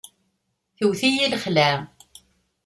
Tewt-iyi lxelεa.